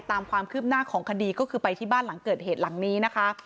ตามความคืบหน้าของคดีก็คือไปที่บ้านหลังเกิดเหตุหลังนี้นะคะ